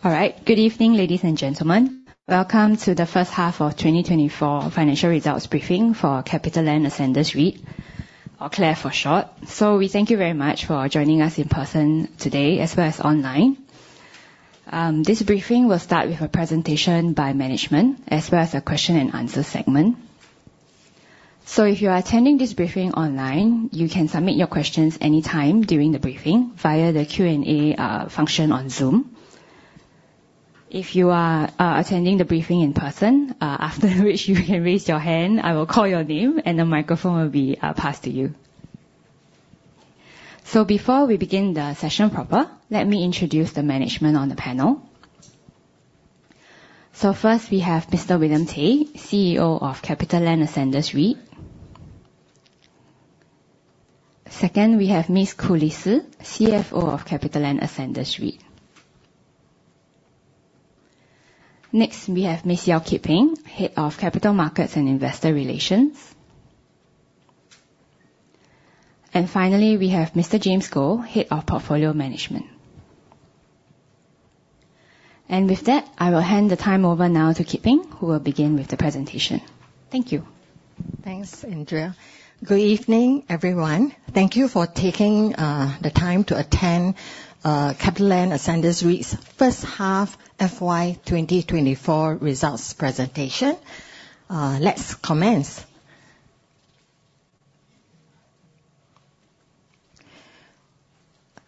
Good evening, ladies and gentlemen. Welcome to the first half of FY 2024 financial results briefing for CapitaLand Ascendas REIT, or CLAR for short. We thank you very much for joining us in person today, as well as online. This briefing will start with a presentation by management, as well as a question and answer segment. If you are attending this briefing online, you can submit your questions any time during the briefing via the Q&A function on Zoom. If you are attending the briefing in person, after which you can raise your hand, I will call your name, and the microphone will be passed to you. Before we begin the session proper, let me introduce the management on the panel. First, we have Mr. William Tay, Chief Executive Officer of CapitaLand Ascendas REIT. Second, we have Ms. Koo Lee Sze, Chief Financial Officer of CapitaLand Ascendas REIT. Next, we have Ms. Yeow Kit Peng, Head of Capital Markets and Investor Relations. Finally, we have Mr. James Goh, Head of Portfolio Management. With that, I will hand the time over now to Kit Peng, who will begin with the presentation. Thank you. Thanks, Andrea. Good evening, everyone. Thank you for taking the time to attend CapitaLand Ascendas REIT's first half FY 2024 results presentation. Let's commence.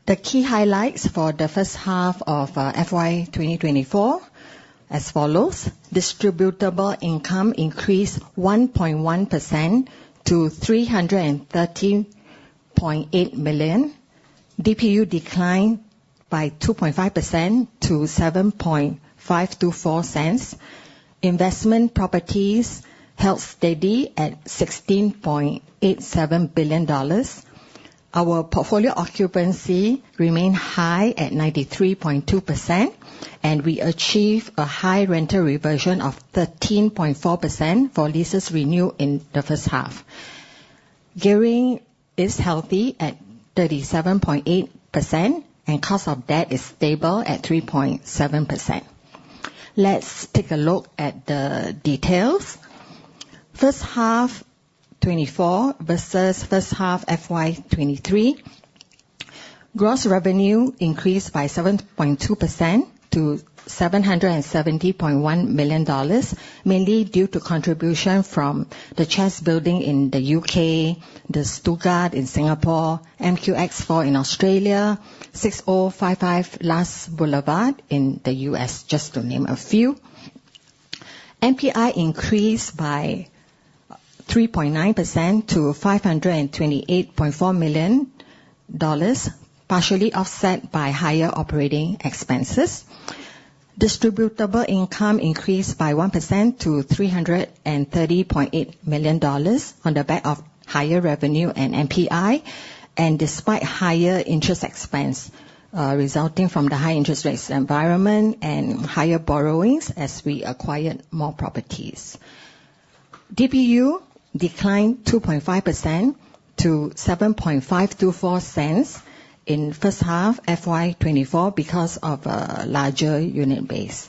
The key highlights for the first half of FY 2024 as follows. Distributable income increased 1.1% to 330.8 million. DPU declined by 2.5% to 0.07524. Investment properties held steady at 16.87 billion dollars. Our portfolio occupancy remained high at 93.2%, and we achieved a high rental reversion of 13.4% for leases renewed in the first half. Gearing is healthy at 37.8%, and cost of debt is stable at 3.7%. Let's take a look at the details. First half 2024 versus first half FY 2023, gross revenue increased by 7.2% to 770.1 million dollars, mainly due to contribution from The Chess Building in the U.K., The Stuttgart in Singapore, MQX4 in Australia, 6055 Lusk Boulevard in the U.S., just to name a few. NPI increased by 3.9% to 528.4 million dollars, partially offset by higher operating expenses. Distributable income increased by 1% to 330.8 million dollars on the back of higher revenue and NPI, despite higher interest expense resulting from the high interest rates environment and higher borrowings as we acquired more properties. DPU declined 2.5% to 0.07524 in first half FY 2024 because of a larger unit base.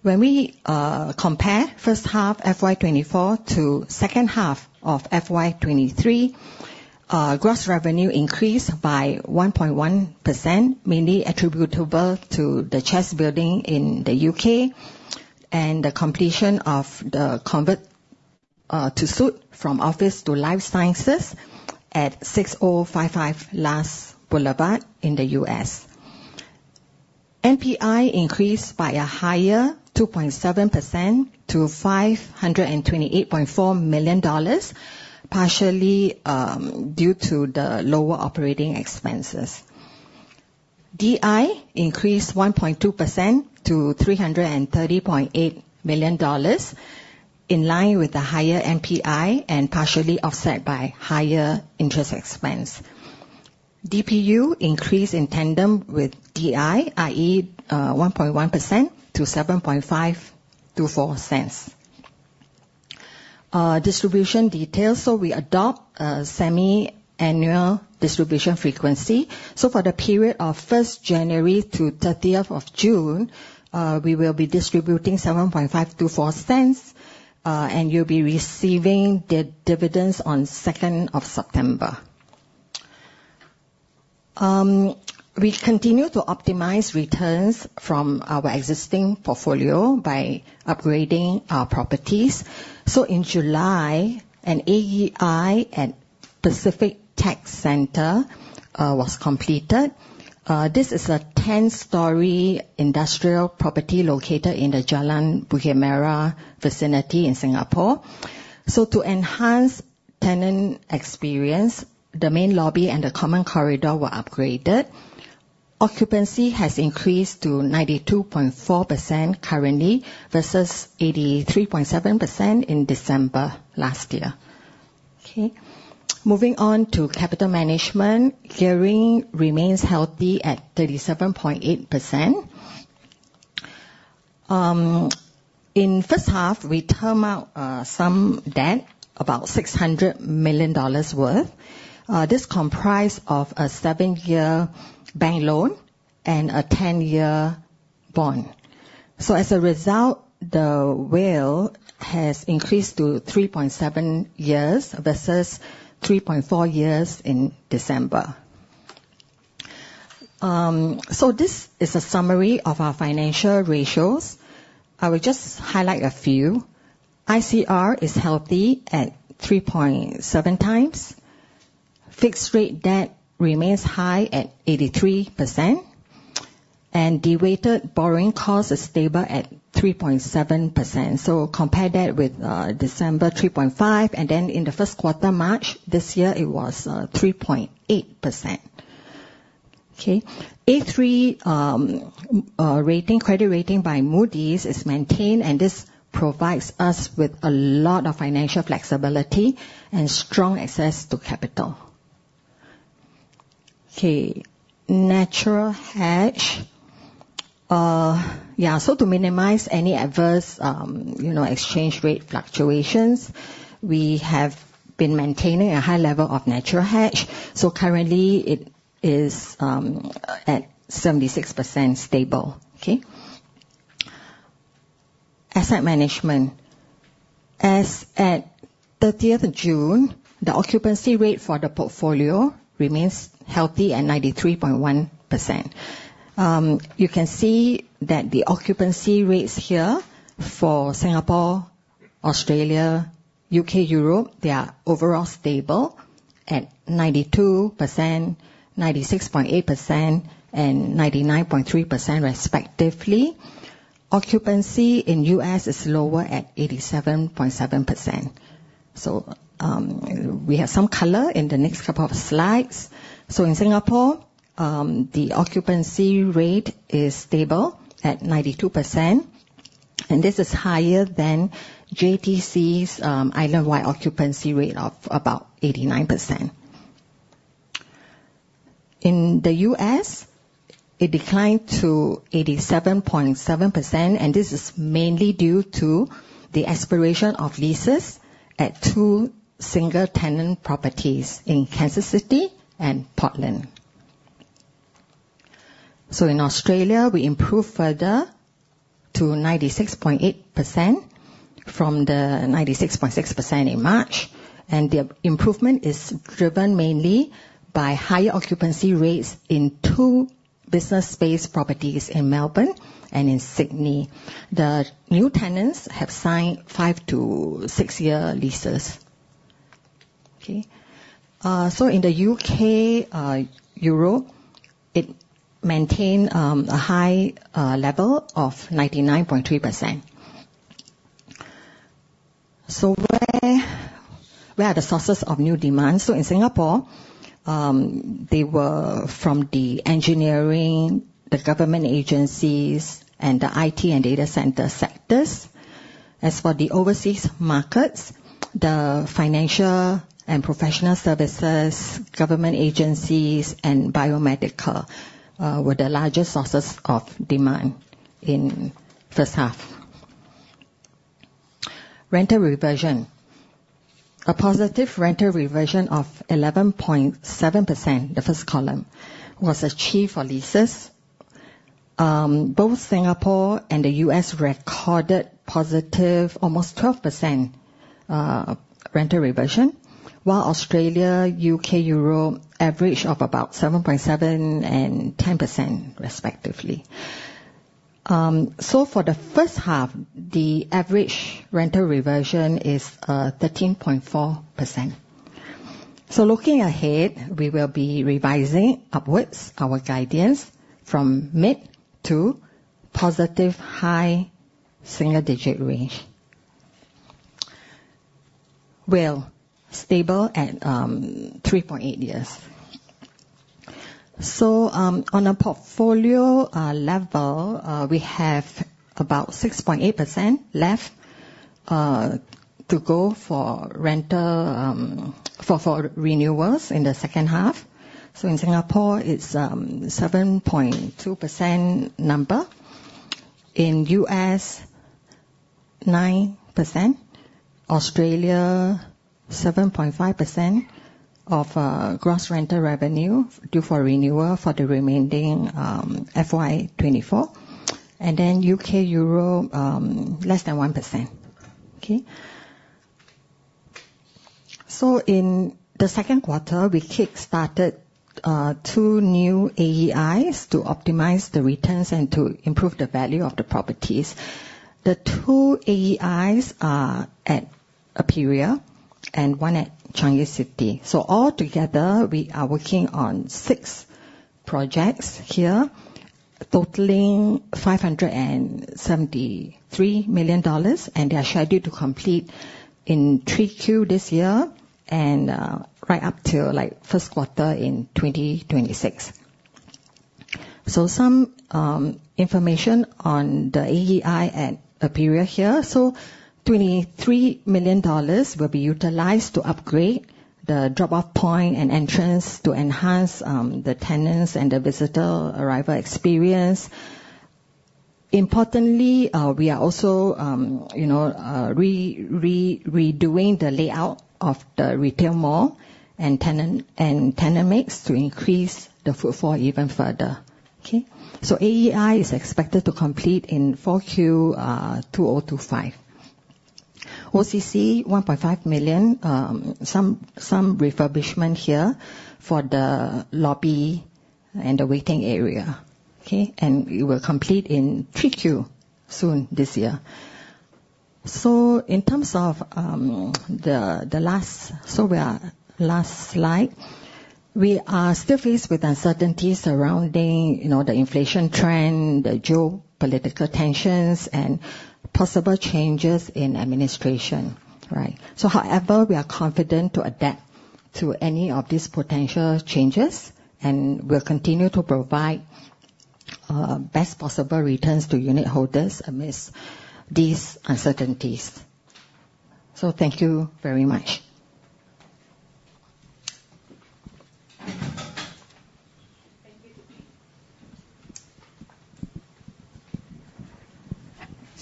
When we compare first half FY 2024 to second half of FY 2023, gross revenue increased by 1.1%, mainly attributable to The Chess Building in the U.K. and the completion of the convert-to-suit from office to life sciences at 6055 Lusk Boulevard in the U.S. NPI increased by a higher 2.7% to 528.4 million dollars, partially due to the lower operating expenses. DI increased 1.2% to 330.8 million dollars, in line with the higher NPI and partially offset by higher interest expense. DPU increased in tandem with DI, i.e. 1.1% to 0.07524. Distribution details. We adopt a semi-annual distribution frequency. For the period of 1st January to 30th of June, we will be distributing 0.07524, and you'll be receiving the dividends on 2nd of September. We continue to optimize returns from our existing portfolio by upgrading our properties. In July, an AEI at Pacific Tech Centre was completed. This is a 10-story industrial property located in the Jalan Bukit Merah vicinity in Singapore. To enhance tenant experience, the main lobby and the common corridor were upgraded. Occupancy has increased to 92.4% currently versus 83.7% in December last year. Moving on to capital management. Gearing remains healthy at 37.8%. In 1st half, we term out some debt, about 600 million dollars worth. This comprised of a seven-year bank loan and a 10-year bond. As a result, the WALE has increased to 3.7 years versus 3.4 years in December. This is a summary of our financial ratios. I will just highlight a few. ICR is healthy at 3.7 times. Fixed rate debt remains high at 83%, and debt-weighted borrowing cost is stable at 3.7%. Compare that with December 3.5%, and then in the 1st quarter, March this year, it was 3.8%. A3 credit rating by Moody's is maintained, and this provides us with a lot of financial flexibility and strong access to capital. Natural hedge. To minimize any adverse exchange rate fluctuations, we have been maintaining a high level of natural hedge. Currently, it is at 76% stable. Asset management. As at 30th June, the occupancy rate for the portfolio remains healthy at 93.1%. You can see that the occupancy rates here for Singapore, Australia, U.K., Europe, they are overall stable at 92%, 96.8%, and 99.3% respectively. Occupancy in U.S. is lower at 87.7%. We have some color in the next couple of slides. In Singapore, the occupancy rate is stable at 92%, and this is higher than JTC's island-wide occupancy rate of about 89%. In the U.S., it declined to 87.7%, and this is mainly due to the expiration of leases at two single-tenant properties in Kansas City and Portland. In Australia, we improved further to 96.8% from the 96.6% in March, and the improvement is driven mainly by higher occupancy rates in two business space properties in Melbourne and in Sydney. The new tenants have signed five to six-year leases. In the U.K., Europe, it maintained a high level of 99.3%. Where are the sources of new demands? In Singapore, they were from the engineering, the government agencies, and the IT and data center sectors. As for the overseas markets, the financial and professional services, government agencies, and biomedical were the largest sources of demand in 1st half. Rental reversion. A positive rental reversion of 11.7%, the 1st column, was achieved for leases. Both Singapore and the U.S. recorded positive almost 12% rental reversion, while Australia, U.K., Europe averaged of about 7.7% and 10% respectively. For the 1st half, the average rental reversion is 13.4%. Looking ahead, we will be revising upwards our guidance from mid to positive high single digit range. WALE stable at 3.8 years. On a portfolio level, we have about 6.8% left to go for renewals in the 2nd half. In Singapore, it's 7.2% number. In U.S., 9%. Australia, 7.5% of gross rental revenue due for renewal for the remaining FY 2024. U.K., Europe, less than 1%. Okay. In the second quarter, we kick started two new AEIs to optimize the returns and to improve the value of the properties. The two AEIs are at Aperia and one at Changi City. Altogether, we are working on six projects here totaling SGD 573 million, and they are scheduled to complete in 3Q this year and right up to first quarter in 2026. Some information on the AEI at Aperia here. 23 million dollars will be utilized to upgrade The drop-off point and entrance to enhance the tenants and the visitor arrival experience. Importantly, we are also redoing the layout of the retail mall and tenant mix to increase the footfall even further. Okay. AEI is expected to complete in 4Q 2025. OCC, 1.5 million, some refurbishment here for the lobby and the waiting area. Okay. We will complete in 3Q soon this year. In terms of the last slide. We are still faced with uncertainties surrounding the inflation trend, the geopolitical tensions, and possible changes in administration. Right. However, we are confident to adapt to any of these potential changes, and we will continue to provide best possible returns to unit holders amidst these uncertainties. Thank you very much.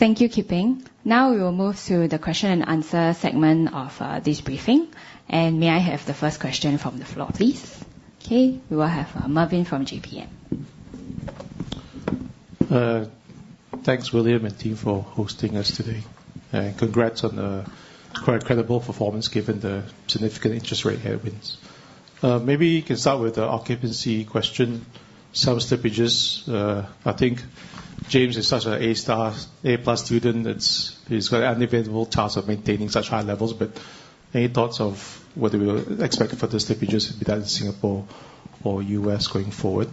Thank you, Kit Peng. Thank you, Kit Peng. We will move to the question and answer segment of this briefing. May I have the first question from the floor, please? We will have Mervin from JPM. Thanks, William and team, for hosting us today. Congrats on a quite credible performance given the significant interest rate headwinds. Maybe you can start with the occupancy question. Some slippages. I think James is such an A-plus student that he's got an unenviable task of maintaining such high levels. Any thoughts of whether we expect further slippages be that in Singapore or U.S. going forward?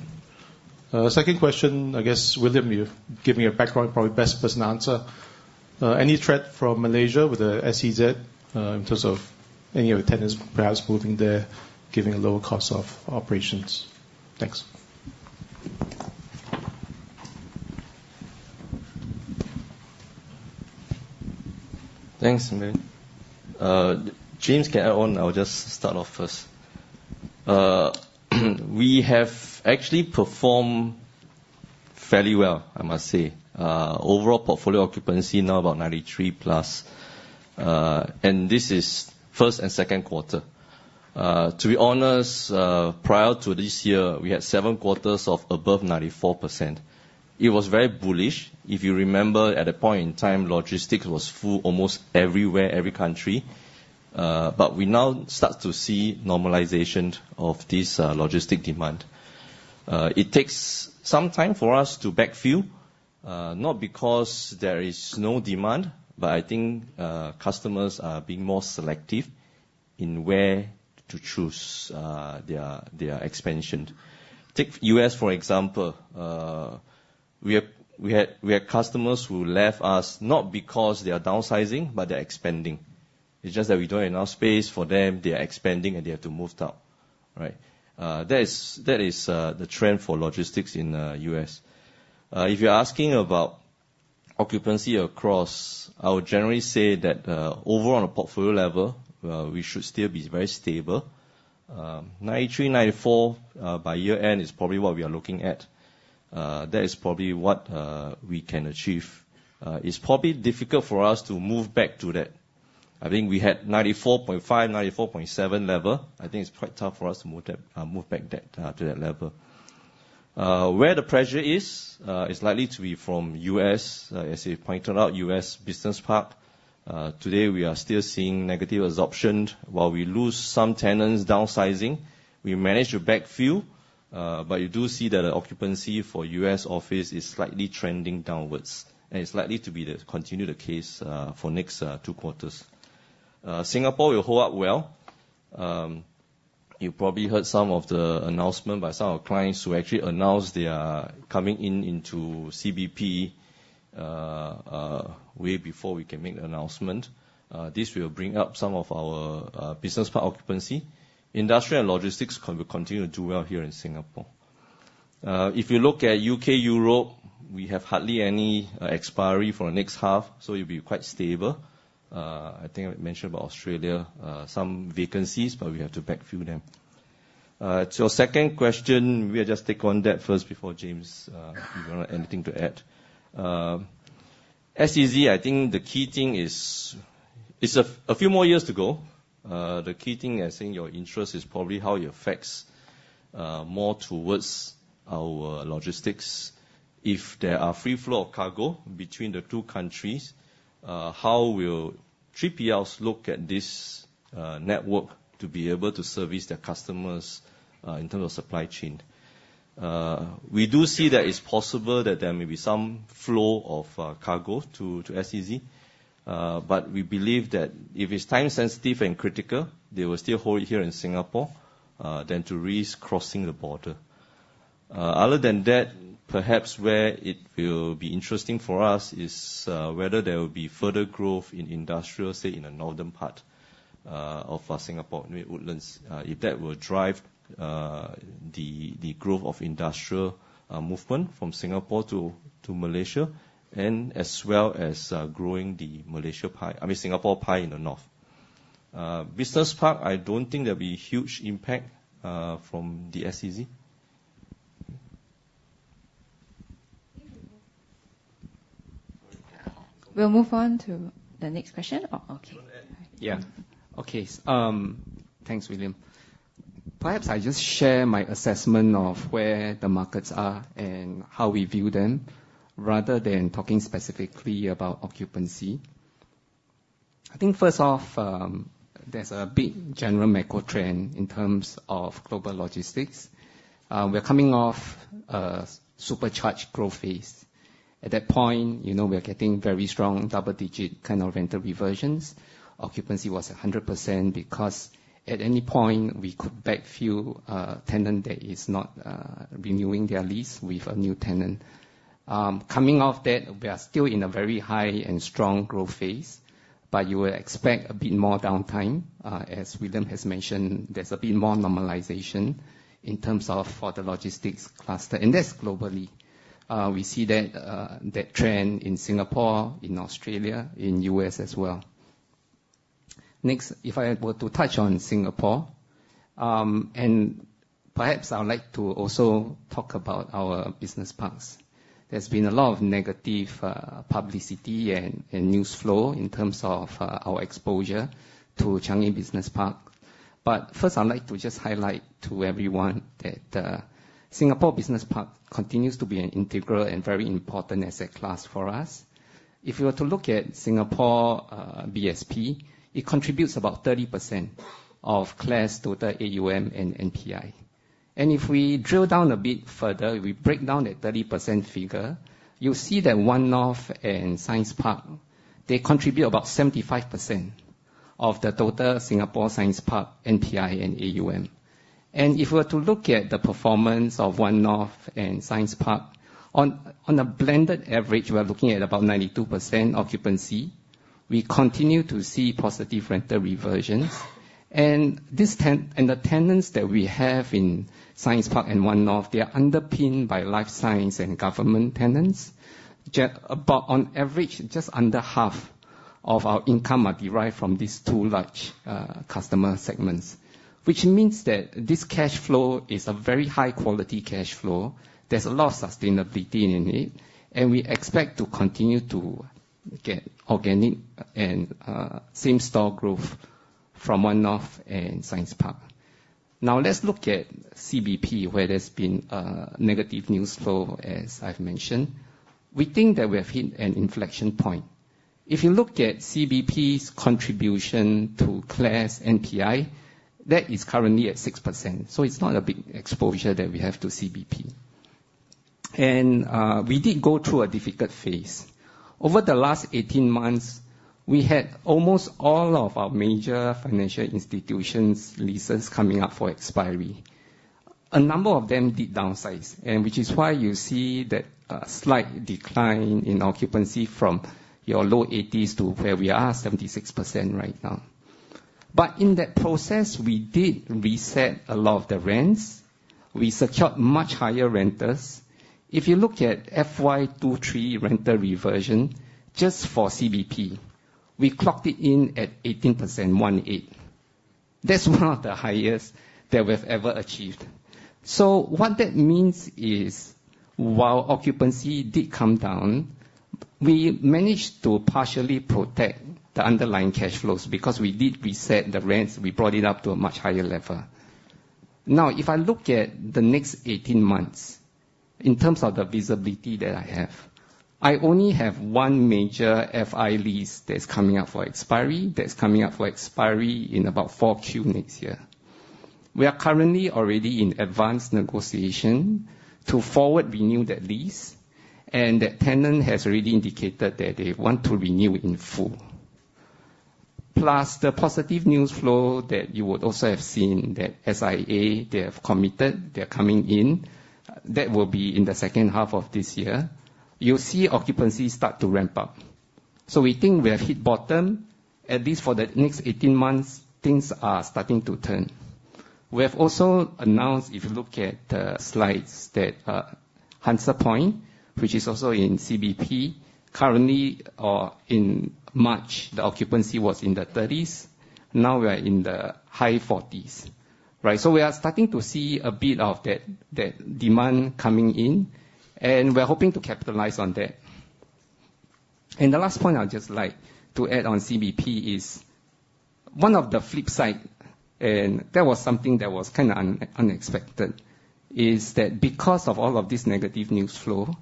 Second question, I guess, William, you've given your background, probably best placed to answer. Any threat from Malaysia with the SEZ, in terms of any of your tenants perhaps moving there, given the lower cost of operations? Thanks. Thanks, Mervin. James can add on. I'll just start off first. We have actually performed fairly well, I must say. Overall portfolio occupancy now about 93+, and this is first and second quarter. To be honest, prior to this year, we had seven quarters of above 94%. It was very bullish. If you remember, at that point in time, logistics was full almost everywhere, every country. We now start to see normalization of this logistic demand. It takes some time for us to backfill, not because there is no demand, but I think customers are being more selective in where to choose their expansion. Take U.S., for example. We had customers who left us not because they are downsizing, but they're expanding. It's just that we don't have enough space for them. They are expanding, and they have to move out. Right. That is the trend for logistics in the U.S. If you're asking about occupancy across, I would generally say that overall, on a portfolio level, we should still be very stable. 93, 94 by year-end is probably what we are looking at. That is probably what we can achieve. It's probably difficult for us to move back to that. I think we had 94.5, 94.7 level. I think it's quite tough for us to move back to that level. Where the pressure is, it's likely to be from U.S. As you pointed out, U.S. business park. Today, we are still seeing negative absorption while we lose some tenants downsizing. We managed to backfill, but you do see that the occupancy for U.S. office is slightly trending downwards, and it's likely to continue the case for next two quarters. Singapore will hold up well. You probably heard some of the announcement by some of our clients who actually announced they are coming into CBP way before we can make an announcement. This will bring up some of our business park occupancy. Industrial and logistics will continue to do well here in Singapore. If you look at U.K., Europe, we have hardly any expiry for the next half, so it'll be quite stable. I think I mentioned about Australia, some vacancies, but we have to backfill them. To your second question, we'll just take on that first before James, if you want to add anything to add. SEZ, I think the key thing is, it's a few more years to go. The key thing, I think your interest is probably how it affects more towards our logistics. If there are free flow of cargo between the two countries, how will 3PLs look at this network to be able to service their customers in terms of supply chain? We do see that it's possible that there may be some flow of cargo to SEZ. We believe that if it's time sensitive and critical, they will still hold it here in Singapore than to risk crossing the border. Other than that, perhaps where it will be interesting for us is whether there will be further growth in industrial, say, in the northern part of Singapore, Woodlands. If that will drive the growth of industrial Movement from Singapore to Malaysia, and as well as growing the Singapore pie in the North. Business park, I don't think there'll be huge impact from the SEZ. We'll move on to the next question. Oh, okay. Yeah. Okay. Thanks, William. Perhaps I'll just share my assessment of where the markets are and how we view them, rather than talking specifically about occupancy. I think first off, there's a big general macro trend in terms of global logistics. We're coming off a supercharged growth phase. At that point, we are getting very strong double-digit kind of rental reversions. Occupancy was 100%, because at any point we could backfill a tenant that is not renewing their lease with a new tenant. Coming off that, we are still in a very high and strong growth phase, but you would expect a bit more downtime. As William has mentioned, there's a bit more normalization in terms of for the logistics cluster, and that's globally. We see that trend in Singapore, in Australia, in U.S. as well. If I were to touch on Singapore, perhaps I would like to also talk about our business parks. There's been a lot of negative publicity and news flow in terms of our exposure to Changi Business Park. First, I'd like to just highlight to everyone that Singapore Business Park continues to be an integral and very important asset class for us. If you were to look at Singapore BSP, it contributes about 30% of CLAR's total AUM and NPI. If we drill down a bit further, we break down that 30% figure, you'll see that One North and Science Park, they contribute about 75% of the total Singapore Science Park NPI and AUM. If we are to look at the performance of One North and Science Park, on a blended average, we're looking at about 92% occupancy. We continue to see positive rental reversions. The tenants that we have in Science Park and One North, they are underpinned by life science and government tenants. On average, just under half of our income are derived from these two large customer segments. Which means that this cash flow is a very high quality cash flow. There's a lot of sustainability in it, we expect to continue to get organic and same stock growth from One North and Science Park. Now let's look at CBP, where there's been negative news flow, as I've mentioned. We think that we have hit an inflection point. If you look at CBP's contribution to CLAR NPI, that is currently at 6%. It's not a big exposure that we have to CBP. We did go through a difficult phase. Over the last 18 months, we had almost all of our major financial institutions' leases coming up for expiry. A number of them did downsize, which is why you see that slight decline in occupancy from your low 80s to where we are, 76% right now. In that process, we did reset a lot of the rents. We secured much higher rents. If you look at FY 2023 rental reversion, just for CBP, we clocked it in at 18%. 18. That's one of the highest that we've ever achieved. What that means is, while occupancy did come down, we managed to partially protect the underlying cash flows, because we did reset the rents. We brought it up to a much higher level. If I look at the next 18 months, in terms of the visibility that I have, I only have one major FI lease that's coming up for expiry, that's coming up for expiry in about 4Q next year. We are currently already in advanced negotiation to forward renew that lease, and that tenant has already indicated that they want to renew in full. Plus the positive news flow that you would also have seen that SIA, they have committed, they're coming in. That will be in the second half of this year. You'll see occupancy start to ramp up. We think we have hit bottom. At least for the next 18 months, things are starting to turn. We have also announced, if you look at the slides, that HansaPoint, which is also in CBP, currently or in March, the occupancy was in the 30s. We are in the high 40s. We are starting to see a bit of that demand coming in, and we're hoping to capitalize on that. The last point I'd just like to add on CBP is, one of the flip side, and that was something that was kind of unexpected, is that because of all of this negative news flow,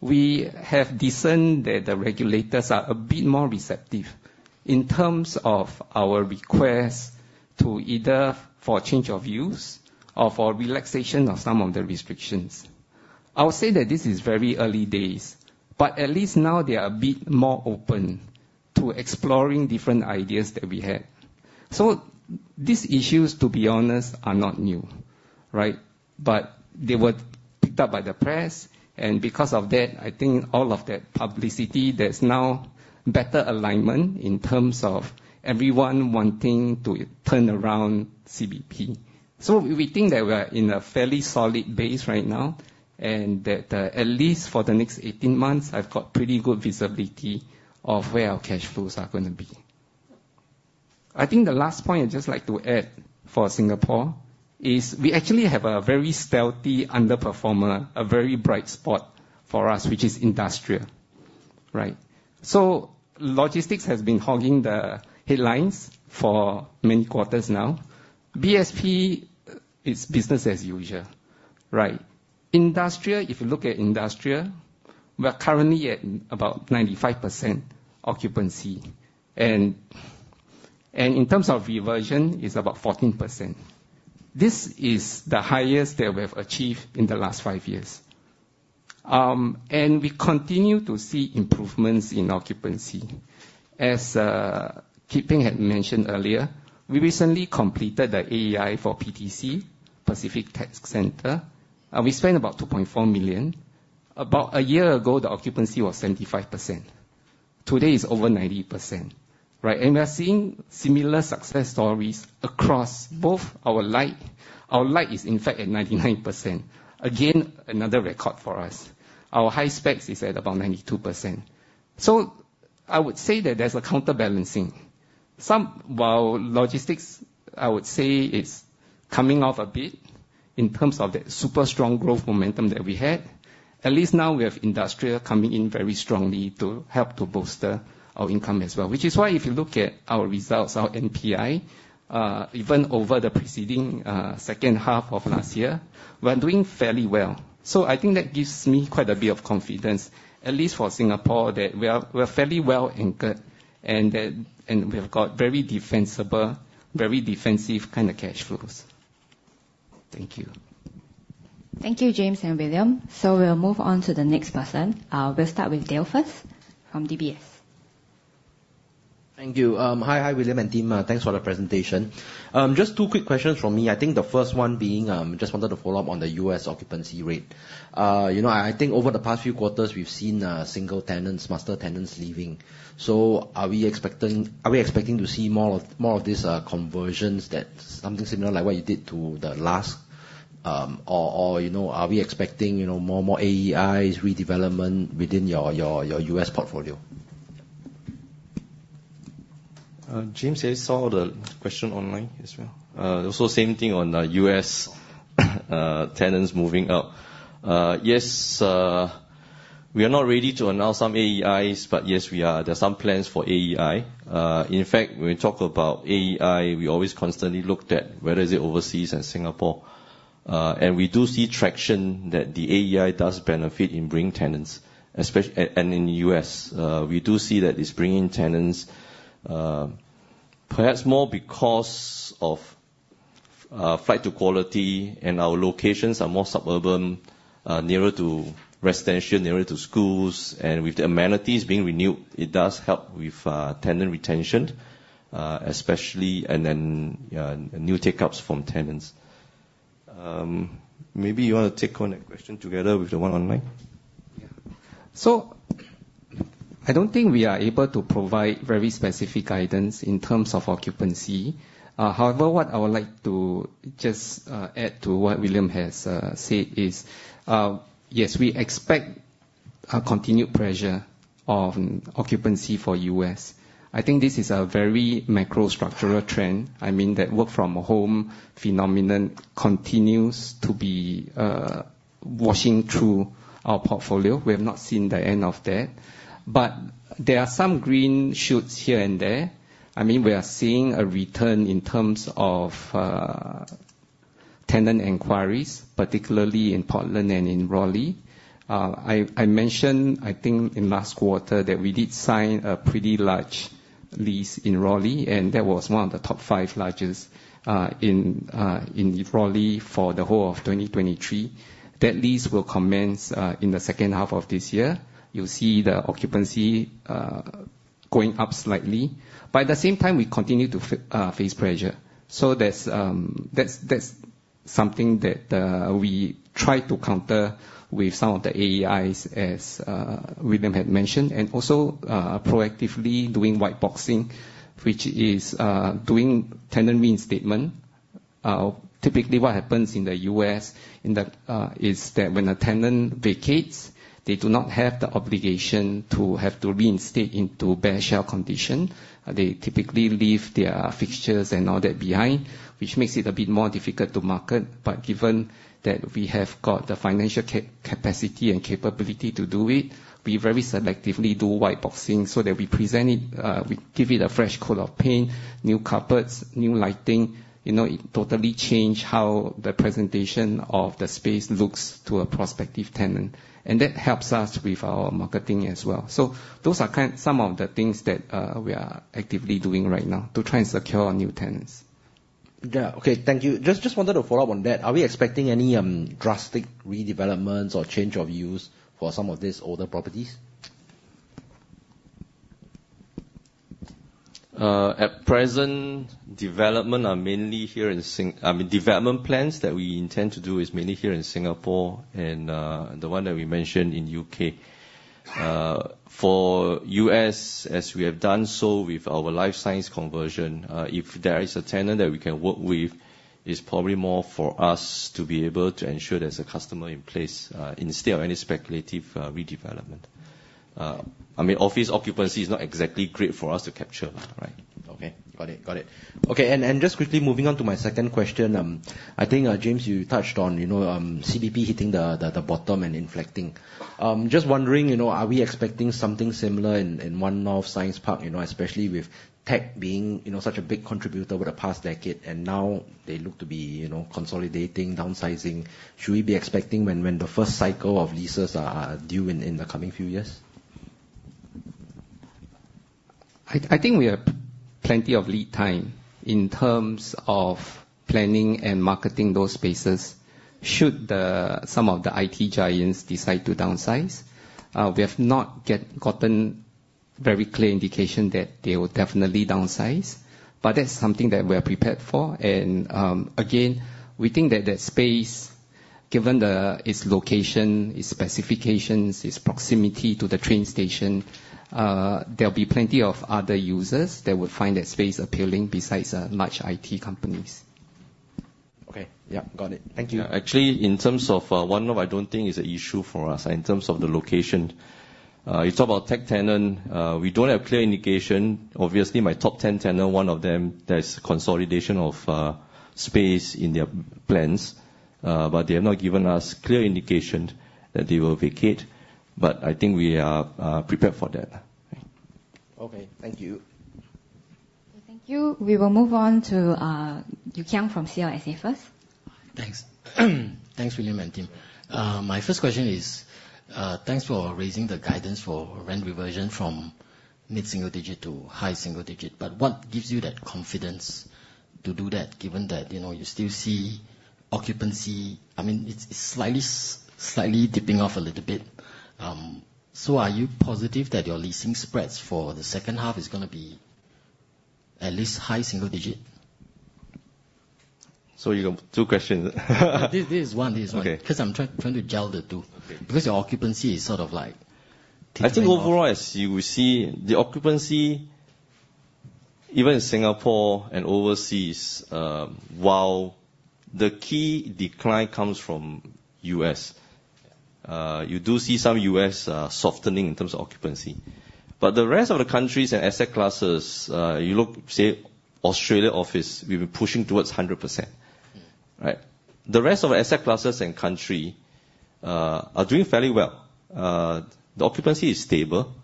we have discerned that the regulators are a bit more receptive in terms of our request to either for change of use or for relaxation of some of the restrictions. I'll say that this is very early days. At least now they are a bit more open to exploring different ideas that we had. These issues, to be honest, are not new. They were picked up by the press, and because of that, I think all of that publicity, there's now better alignment in terms of everyone wanting to turn around CBP. We think that we are in a fairly solid base right now, and that at least for the next 18 months, I've got pretty good visibility of where our cash flows are going to be. I think the last point I'd just like to add for Singapore is we actually have a very stealthy underperformer, a very bright spot for us, which is industrial. Logistics has been hogging the headlines for many quarters now. BSP is business as usual. Industrial, if you look at industrial, we are currently at about 95% occupancy. In terms of reversion, it's about 14%. This is the highest that we have achieved in the last five years. We continue to see improvements in occupancy. As Kit Peng had mentioned earlier, we recently completed the AEI for PTC, Pacific Tech Centre. We spent about 2.4 million. About a year ago, the occupancy was 75%. Today, it's over 90%. We are seeing similar success stories across both our light. Our light is in fact at 99%. Again, another record for us. Our high specs is at about 92%. I would say that there's a counterbalancing. While logistics, I would say is coming off a bit in terms of the super strong growth momentum that we had, at least now we have industrial coming in very strongly to help to bolster our income as well. Which is why if you look at our results, our NPI, even over the preceding second half of last year, we're doing fairly well. I think that gives me quite a bit of confidence, at least for Singapore, that we are fairly well-anchored, and we have got very defensible, very defensive kind of cash flows. Thank you. Thank you, James and William. We'll move on to the next person. We'll start with Dale first from DBS. Thank you. Hi, William and team. Thanks for the presentation. Just two quick questions from me. I think the first one being, just wanted to follow up on the U.S. occupancy rate. I think over the past few quarters, we've seen single tenants, master tenants leaving. Are we expecting to see more of these conversions that something similar, like what you did to the Lusk? Or are we expecting more AEIs, redevelopment within your U.S. portfolio? James, I saw the question online as well. Also same thing on U.S. tenants moving out. Yes, we are not ready to announce some AEIs, but yes, there are some plans for AEI. In fact, when we talk about AEI, we always constantly looked at whether is it overseas and Singapore. We do see traction that the AEI does benefit in bringing tenants, and in the U.S. We do see that it's bringing tenants, perhaps more because of flight to quality and our locations are more suburban, nearer to residential, nearer to schools. With the amenities being renewed, it does help with tenant retention, especially, and then new take-ups from tenants. Maybe you want to take on that question together with the one online? Yeah. I don't think we are able to provide very specific guidance in terms of occupancy. However, what I would like to just add to what William has said is, yes, we expect a continued pressure on occupancy for U.S. I think this is a very macro structural trend. That work from home phenomenon continues to be washing through our portfolio. We have not seen the end of that. There are some green shoots here and there. We are seeing a return in terms of tenant inquiries, particularly in Portland and in Raleigh. I mentioned, I think in last quarter, that we did sign a pretty large lease in Raleigh, and that was one of the top five largest in Raleigh for the whole of 2023. That lease will commence in the second half of this year. You'll see the occupancy going up slightly. At the same time, we continue to face pressure. That's something that we try to counter with some of the AEIs as William had mentioned. Also proactively doing white boxing, which is doing tenant reinstatement. Typically, what happens in the U.S. is that when a tenant vacates, they do not have the obligation to have to reinstate into bare shell condition. They typically leave their fixtures and all that behind, which makes it a bit more difficult to market. Given that we have got the financial capacity and capability to do it, we very selectively do white boxing so that we present it, we give it a fresh coat of paint, new carpets, new lighting. It totally change how the presentation of the space looks to a prospective tenant. That helps us with our marketing as well. Those are some of the things that we are actively doing right now to try and secure new tenants. Okay. Thank you. Just wanted to follow up on that. Are we expecting any drastic redevelopments or change of use for some of these older properties? At present, development plans that we intend to do is mainly here in Singapore, and the one that we mentioned in U.K. For U.S., as we have done so with our life science conversion, if there is a tenant that we can work with, it's probably more for us to be able to ensure there's a customer in place, instead of any speculative redevelopment. Office occupancy is not exactly great for us to capture. Okay. Got it. Just quickly moving on to my second question. I think, James, you touched on CBP hitting the bottom and inflecting. Just wondering, are we expecting something similar in One North Science Park, especially with tech being such a big contributor over the past decade. Now they look to be consolidating, downsizing. Should we be expecting when the first cycle of leases are due in the coming few years? I think we have plenty of lead time in terms of planning and marketing those spaces should some of the IT giants decide to downsize. We have not gotten very clear indication that they will definitely downsize. That's something that we're prepared for. Again, we think that that space, given its location, its specifications, its proximity to the train station, there'll be plenty of other users that would find that space appealing besides large IT companies. Okay. Yeah, got it. Thank you. Actually, in terms of One North, I don't think it's an issue for us in terms of the location. You talk about tech tenant, we don't have clear indication. Obviously, my top 10 tenant, one of them, there is consolidation of space in their plans. They have not given us clear indication that they will vacate. I think we are prepared for that. Okay. Thank you. Thank you. We will move on to Yew Kiang from CLSA first. Thanks, William, and team. My first question is, thanks for raising the guidance for rent reversion from mid-single digit to high single digit. What gives you that confidence to do that given that you still see occupancy slightly dipping off a little bit? Are you positive that your leasing spreads for the second half is going to be at least high single digit? You have two questions. This is one. Okay. Because I'm trying to gel the two. Okay. Your occupancy is sort of like tipping off. I think overall, as you will see, the occupancy, even in Singapore and overseas, while the key decline comes from U.S. You do see some U.S. softening in terms of occupancy. The rest of the countries and asset classes, you look, say, Australia office, we've been pushing towards 100%. Right? The rest of asset classes and country are doing fairly well. The occupancy is stable.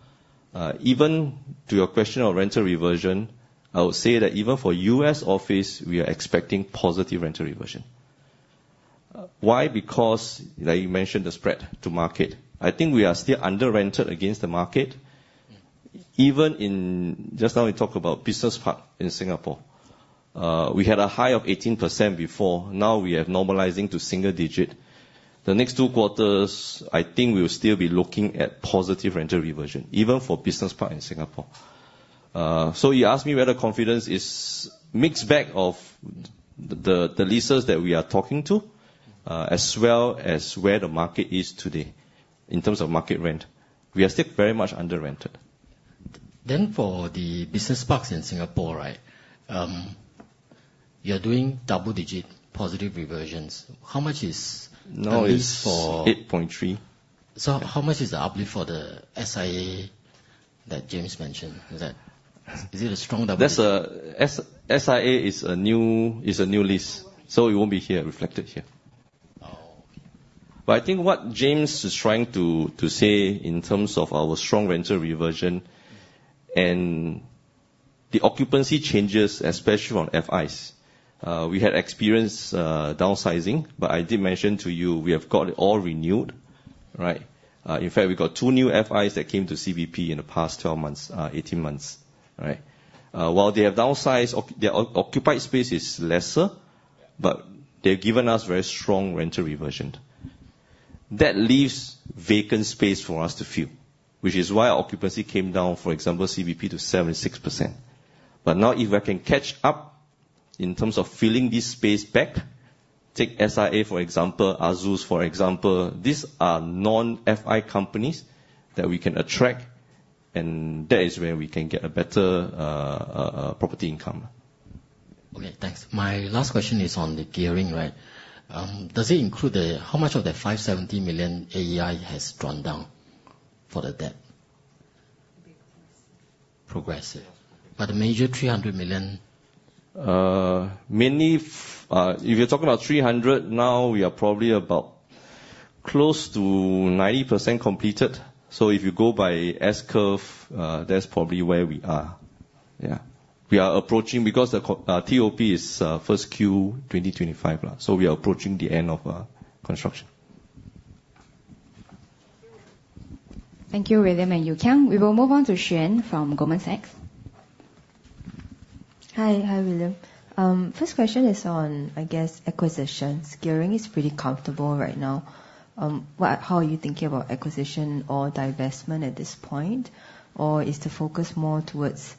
Even to your question on rental reversion, I would say that even for U.S. office, we are expecting positive rental reversion. Why? Because, like you mentioned, the spread to market. I think we are still under-rented against the market. Just now we talked about business park in Singapore. We had a high of 18% before. Now we are normalizing to single digit. The next two quarters, I think we'll still be looking at positive rental reversion, even for business park in Singapore. You asked me where the confidence is mixed bag of the leases that we are talking to, as well as where the market is today in terms of market rent. We are still very much under-rented. For the business parks in Singapore, you're doing double-digit positive reversions. How much is the lease for Now it's 8.3. How much is the uplift for the SIA that James mentioned? Is it a strong double digit? SIA is a new lease, so it won't be reflected here. Oh, okay. I think what James is trying to say in terms of our strong rental reversion and the occupancy changes, especially on FIs. We had experienced downsizing, but I did mention to you, we have got it all renewed. Right? In fact, we got two new FIs that came to CBP in the past 18 months. Right? While they have downsized, their occupied space is lesser, but they've given us very strong rental reversion. That leaves vacant space for us to fill, which is why occupancy came down, for example, CBP to 76%. Now if I can catch up in terms of filling this space back, take SIA, for example, Azeus, for example, these are non-FI companies that we can attract, and that is where we can get a better property income. Okay, thanks. My last question is on the gearing. How much of the 570 million AEI has drawn down for the debt? Progressive. Progressive. Yes, progressive. The major SGD 300 million? If you're talking about 300 million, now, we are probably about close to 90% completed. If you go by S-curve, that's probably where we are. Yeah. We are approaching because the TOP is first Q 2025. We are approaching the end of construction. Thank you, William and Yu Kiang. We will move on to Xuan from Goldman Sachs. Hi, William. First question is on, I guess, acquisitions. Gearing is pretty comfortable right now. How are you thinking about acquisition or divestment at this point? Or is the focus more towards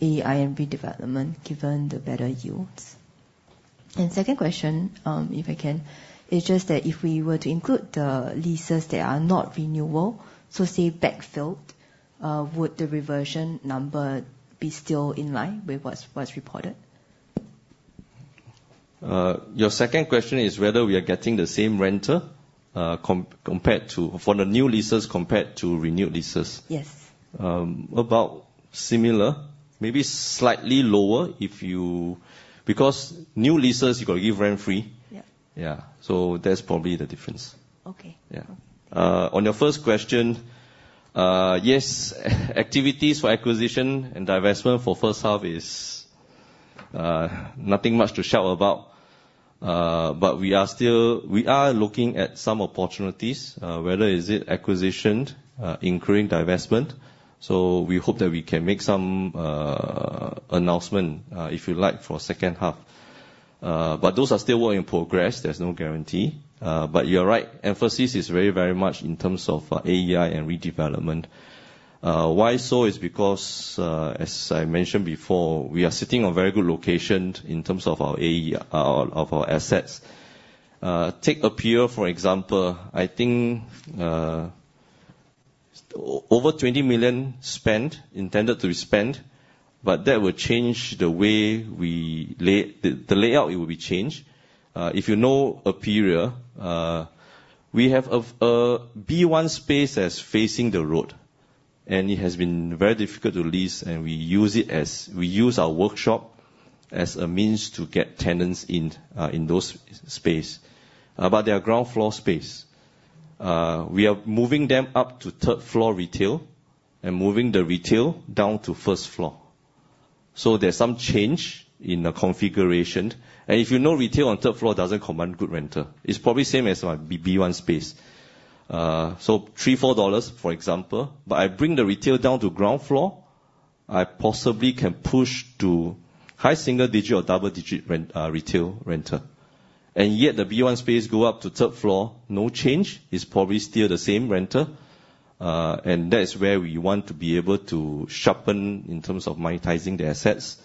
AEI and redevelopment, given the better yields? Second question, if I can, it's just that if we were to include the leases that are not renewable, so say backfilled, would the reversion number be still in line with what's reported? Your second question is whether we are getting the same renter for the new leases compared to renewed leases. Yes. About similar, maybe slightly lower, because new leases you got to give rent-free. Yeah. Yeah. That's probably the difference. Okay. Yeah. On your first question, yes, activities for acquisition and divestment for first half is nothing much to shout about. We are looking at some opportunities, whether is it acquisitioned, including divestment. We hope that we can make some announcement, if you like, for second half. Those are still work in progress. There's no guarantee. You're right, emphasis is very much in terms of AEI and redevelopment. Why so is because, as I mentioned before, we are sitting on very good location in terms of our assets. Take Aperia, for example. I think over 20 million intended to be spent, but the layout it will be changed. If you know Aperia, we have a B1 space that's facing the road, and it has been very difficult to lease, and we use our workshop as a means to get tenants in those space. They are ground floor space. We are moving them up to third floor retail and moving the retail down to first floor. There's some change in the configuration. If you know, retail on third floor doesn't command good renter. It's probably same as B1 space. 3, 4 dollars, for example. I bring the retail down to ground floor, I possibly can push to high single digit or double digit retail renter. Yet the B1 space go up to third floor, no change, it's probably still the same renter. That is where we want to be able to sharpen in terms of monetizing the assets.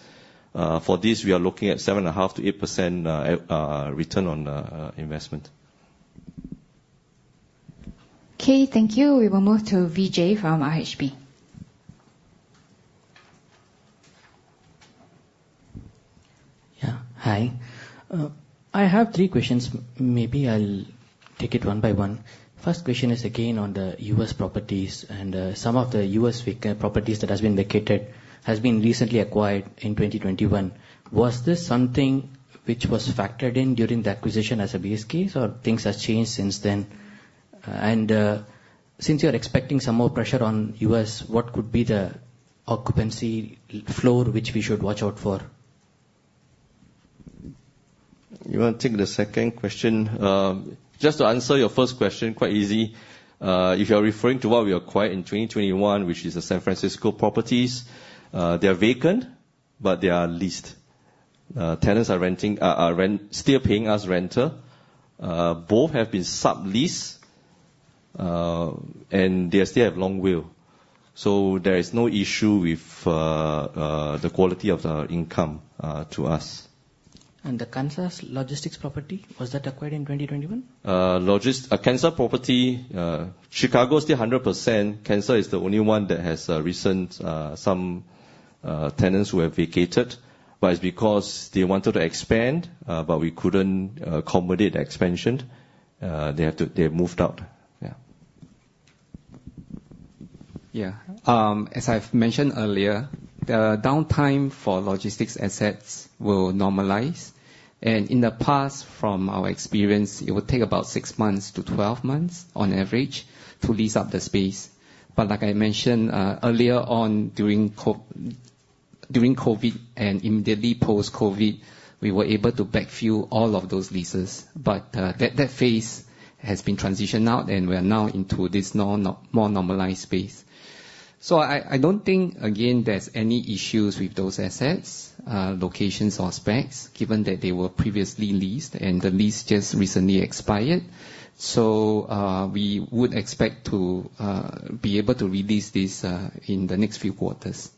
For this, we are looking at 7.5%-8% return on investment. Okay, thank you. We will move to Vijay from RHB. Hi. I have three questions. Maybe I'll take it one by one. First question is again on the U.S. properties and some of the U.S. vacant properties that has been vacated, has been recently acquired in 2021. Was this something which was factored in during the acquisition as a base case, or things have changed since then? Since you're expecting some more pressure on U.S., what could be the occupancy floor which we should watch out for? You want to take the second question? Just to answer your first question, quite easy. If you're referring to what we acquired in 2021, which is the San Francisco properties, they are vacant, but they are leased. Tenants are still paying us renter. Both have been subleased, they still have long will. There is no issue with the quality of the income to us. The Kansas logistics property, was that acquired in 2021? Kansas property. Chicago is still 100%. Kansas is the only one that has some tenants who have vacated. It's because they wanted to expand, but we couldn't accommodate the expansion. They have moved out. Yeah. Yeah. As I've mentioned earlier, the downtime for logistics assets will normalize. In the past, from our experience, it would take about six months to 12 months on average to lease out the space. Like I mentioned earlier on during COVID and immediately post-COVID, we were able to backfill all of those leases. That phase has been transitioned out, and we are now into this more normalized space. I don't think, again, there's any issues with those assets, locations or specs, given that they were previously leased and the lease just recently expired. We would expect to be able to re-lease this in the next few quarters.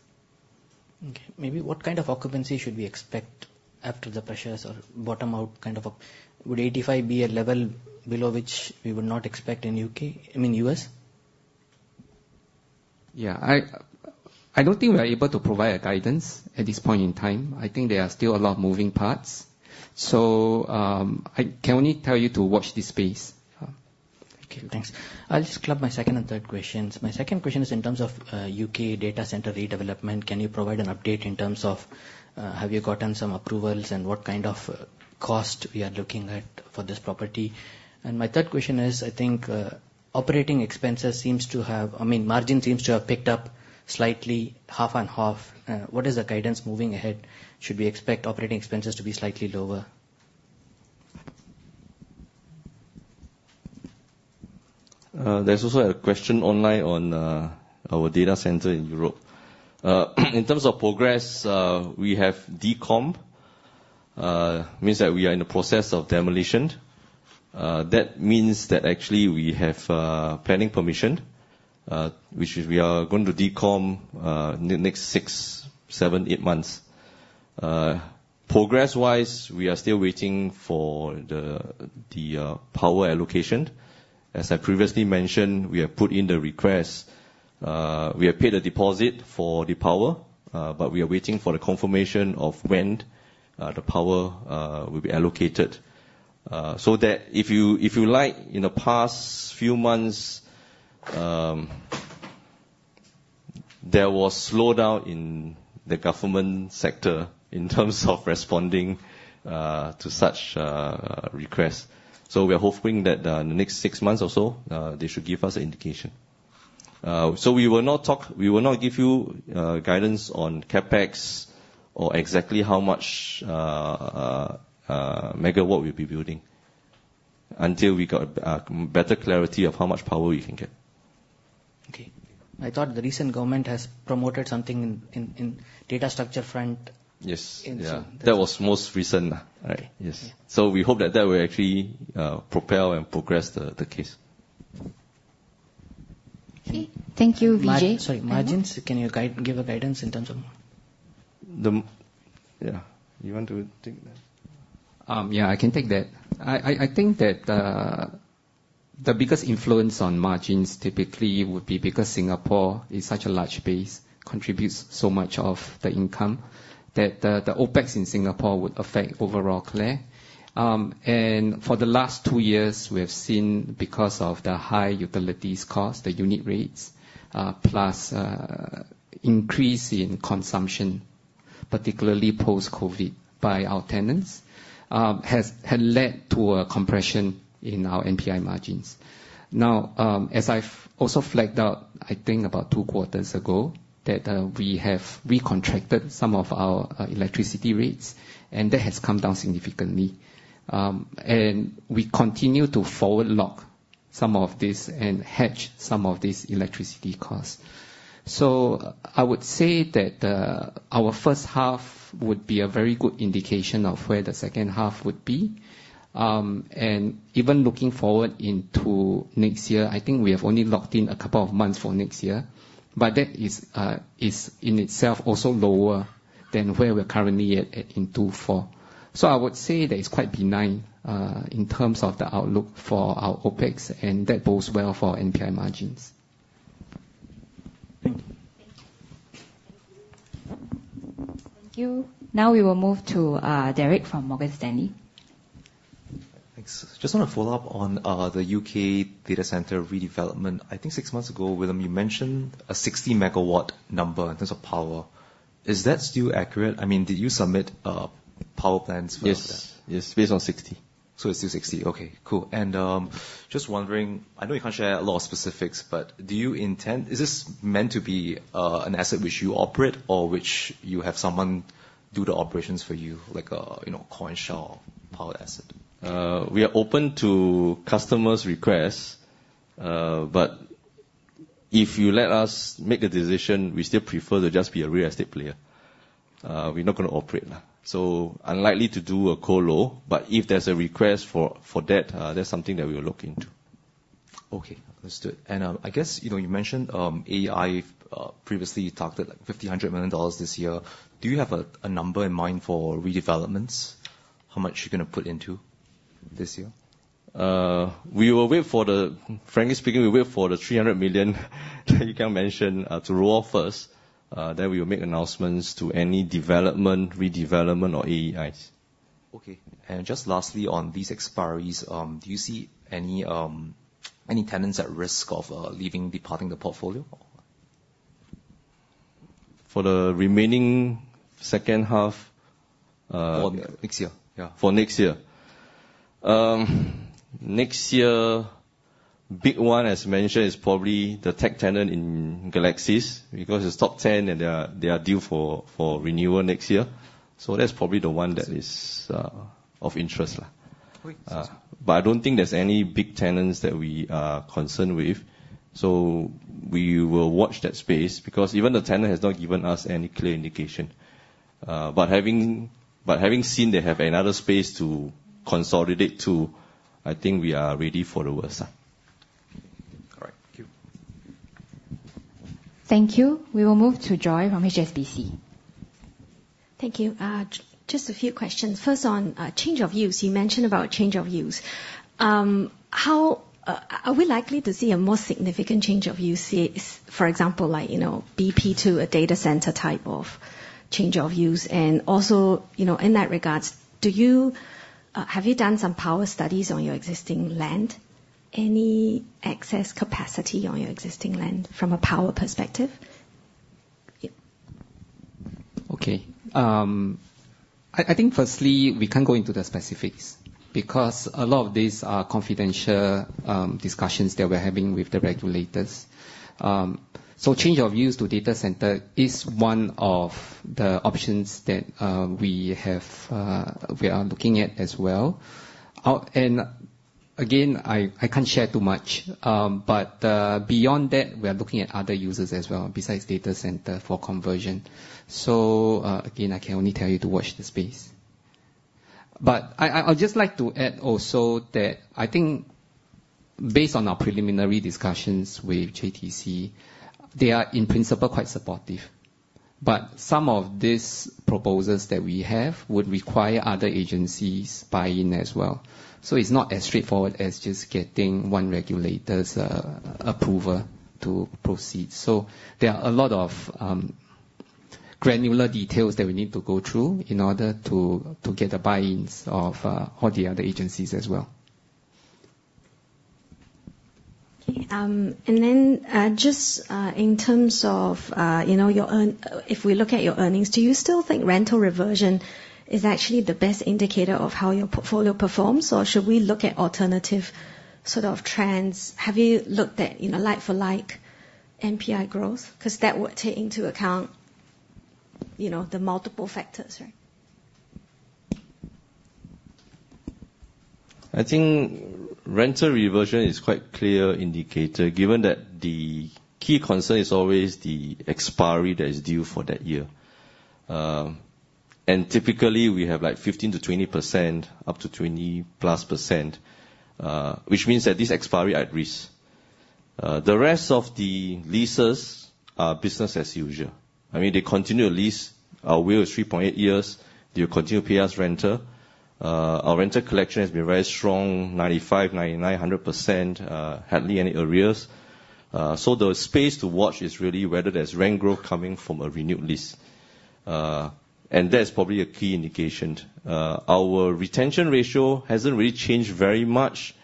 Okay. Maybe what kind of occupancy should we expect after the pressures or bottom out? Would 85 be a level below which we would not expect in U.S.? Yeah. I don't think we are able to provide a guidance at this point in time. I think there are still a lot of moving parts. I can only tell you to watch this space. Okay, thanks. I'll just club my second and third questions. My second question is in terms of U.K. data center redevelopment, can you provide an update in terms of have you gotten some approvals and what kind of cost we are looking at for this property? My third question is, I think margin seems to have picked up slightly half and half. What is the guidance moving ahead? Should we expect operating expenses to be slightly lower? There's also a question online on our data center in Europe. In terms of progress, we have decommissioning. It means that we are in the process of demolition. We have planning permission, which is we are going to decommissioning in the next six, seven, eight months. Progress-wise, we are still waiting for the power allocation. As I previously mentioned, we have put in the request. We have paid the deposit for the power, but we are waiting for the confirmation of when the power will be allocated. That if you like, in the past few months, there was slowdown in the government sector in terms of responding to such requests. We are hoping that in the next six months or so, they should give us an indication. We will not give you guidance on CapEx or exactly how much megawatt we'll be building until we got better clarity of how much power we can get. Okay. I thought the recent government has promoted something in data structure front. Yes. Yeah in some. That was most recent. Okay. Yes. We hope that that will actually propel and progress the case. Okay, thank you, Vijay. Margins. Sorry, margins. Can you give a guidance in terms of margin? Yeah. You want to take that? Yeah, I can take that. I think that the biggest influence on margins typically would be because Singapore is such a large base, contributes so much of the income, that the OpEx in Singapore would affect overall CLAR. For the last two years, we have seen, because of the high utilities cost, the unit rates, plus increase in consumption, particularly post-COVID by our tenants, had led to a compression in our NPI margins. Now, as I've also flagged out, I think about two quarters ago, that we have recontracted some of our electricity rates, and that has come down significantly. We continue to forward lock some of this and hedge some of these electricity costs. I would say that our first half would be a very good indication of where the second half would be. Even looking forward into next year, I think we have only locked in a couple of months for next year, but that is in itself also lower than where we're currently at in Q4. I would say that it's quite benign in terms of the outlook for our OpEx, and that bodes well for NPI margins. Thank you. Thank you. Now we will move to Derek from Morgan Stanley. Thanks. Just want to follow up on the U.K. data center redevelopment. I think six months ago, William, you mentioned a 60 MW number in terms of power. Is that still accurate? Did you submit power plans for that? Yes. Yes. Based on 60. It's still 60. Okay, cool. Just wondering, I know you can't share a lot of specifics, but is this meant to be an asset which you operate, or which you have someone do the operations for you, like a powered shell asset? We are open to customers' requests. If you let us make a decision, we still prefer to just be a real estate player. We're not going to operate. Unlikely to do a co-lo, but if there's a request for that's something that we'll look into. Okay. Understood. I guess, you mentioned AEI previously you targeted 50 million dollars to SGD 100 million this year. Do you have a number in mind for redevelopments? How much are you going to put into this year? Frankly speaking, we'll wait for the 300 million that Yew mentioned to roll out first, we'll make announcements to any development, redevelopment, or AEIs. Okay. Just lastly on these expiries, do you see any tenants at risk of leaving, departing the portfolio? For the remaining second half- For next year. Yeah. For next year. Next year, big one as mentioned is probably the tech tenant in Galaxis, because it's top 10 and they are due for renewal next year. That's probably the one that is of interest. Wait. Sorry. I don't think there's any big tenants that we are concerned with. We will watch that space, because even the tenant has not given us any clear indication. Having seen they have another space to consolidate to, I think we are ready for the worst. All right. Thank you. Thank you. We will move to Joy from HSBC. Thank you. Just a few questions. First on change of use. You mentioned about change of use. Are we likely to see a more significant change of use, for example, like BP to a data center type of change of use? Also, in that regards, have you done some power studies on your existing land? Any excess capacity on your existing land from a power perspective? Okay. I think firstly, we can't go into the specifics because a lot of these are confidential discussions that we're having with the regulators. Change of use to data center is one of the options that we are looking at as well. Again, I can't share too much, but beyond that, we are looking at other users as well, besides data center for conversion. Again, I can only tell you to watch the space. I'd just like to add also that I think based on our preliminary discussions with JTC, they are, in principle, quite supportive. Some of these proposals that we have would require other agencies buy-in as well. It's not as straightforward as just getting one regulator's approval to proceed. There are a lot of granular details that we need to go through in order to get the buy-ins of all the other agencies as well. Okay. Just in terms of if we look at your earnings, do you still think rental reversion is actually the best indicator of how your portfolio performs, or should we look at alternative trends? Have you looked at like-for-like NPI growth? Because that would take into account the multiple factors, right? I think rental reversion is quite clear indicator, given that the key concern is always the expiry that is due for that year. Typically, we have 15%-20%, up to 20+%, which means that this expiry at risk. The rest of the leases are business as usual. They continue to lease. Our WALE is 3.8 years. They will continue to pay us rental. Our rental collection has been very strong, 95%, 99%, 100%, hardly any arrears. The space to watch is really whether there's rent growth coming from a renewed lease. That's probably a key indication. Our retention ratio hasn't really changed very much.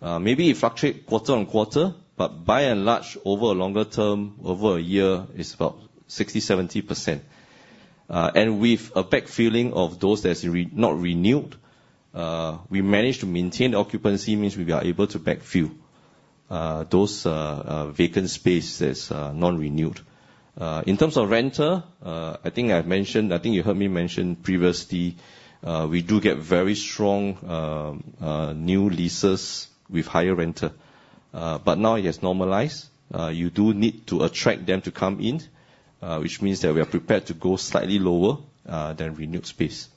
Maybe it fluctuate quarter-on-quarter, but by and large, over a longer term, over a year, it's about 60%, 70%. With a backfilling of those that's not renewed, we managed to maintain the occupancy, means we are able to backfill those vacant spaces non-renewed. In terms of rental, I think you heard me mention previously, we do get very strong new leases with higher rental. Now it has normalized. You do need to attract them to come in, which means that we are prepared to go slightly lower than renewed space.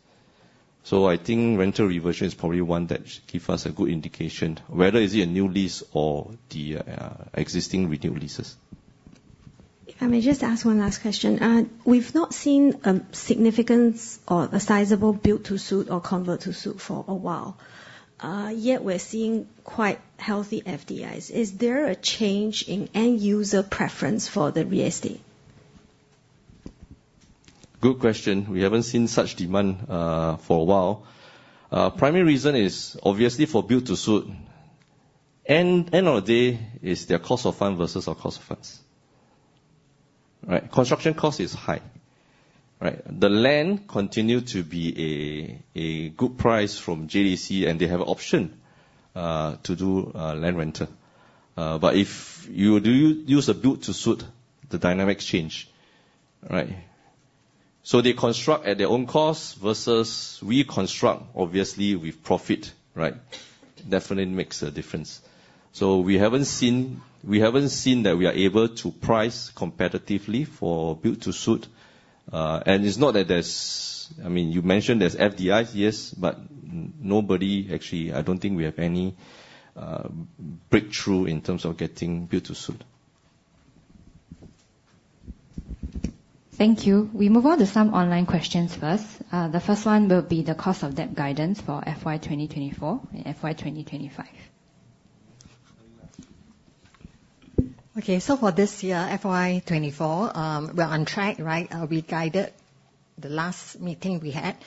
I think rental reversion is probably one that should give us a good indication whether is it a new lease or the existing renewed leases. If I may just ask one last question. We've not seen a significant or a sizable build-to-suit or convert-to-suit for a while, yet we're seeing quite healthy FDI. Is there a change in end-user preference for the BTS? Good question. We haven't seen such demand for a while. Primary reason is obviously for build-to-suit. End of the day is their cost of fund versus our cost of funds. Construction cost is high. The land continue to be a good price from JTC, and they have option to do land rental. If you use a build-to-suit, the dynamics change. They construct at their own cost versus we construct obviously with profit. Definitely makes a difference. We haven't seen that we are able to price competitively for build-to-suit. You mentioned there's FDIs, yes. Nobody actually, I don't think we have any breakthrough in terms of getting build-to-suit. Thank you. We move on to some online questions first. The first one will be the cost of debt guidance for FY 2024 and FY 2025. For this year, FY 2024, we're on track. We guided the last meeting we had